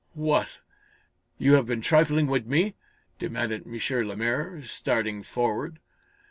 "What! You have been trifling with me?" demanded M. Lemaire, starting forward.